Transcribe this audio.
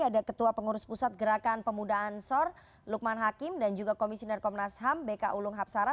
ada ketua pengurus pusat gerakan pemuda ansor lukman hakim dan juga komisioner komnas ham bk ulung hapsara